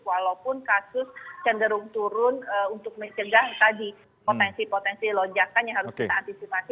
walaupun kasus cenderung turun untuk mencegah tadi potensi potensi lonjakan yang harus kita antisipasi